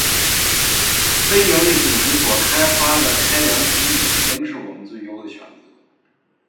非营利组织所开发的开源产品，仍是我们最优的选择